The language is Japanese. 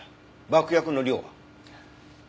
爆薬の量は？